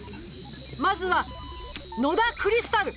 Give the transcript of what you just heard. まずは野田クリスタル！